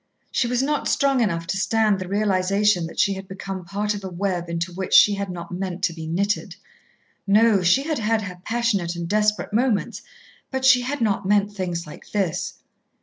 She was not strong enough to stand the realisation that she had become part of a web into which she had not meant to be knitted. No; she had had her passionate and desperate moments, but she had not meant things like this.